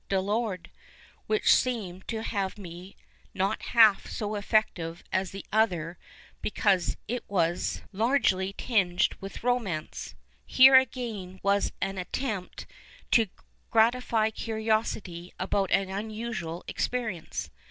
de Lorde, which seemed to me not half so effective as the other because it was 185 PASTICHE AND PREJUDICE largely tinged witli romance. Here again was an attempt to gratify eiiriosity about an unusual experi enee.